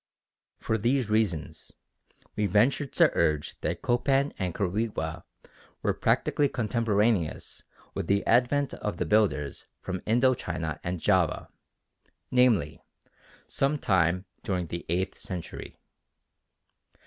For these reasons we venture to urge that Copan and Quirigua were practically contemporaneous with the advent of the builders from Indo China and Java, namely, some time during the eighth century.